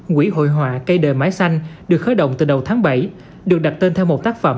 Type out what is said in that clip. quỹ hội họa cây đời máy xanh được khởi động từ đầu tháng bảy được đặt tên theo một tác phẩm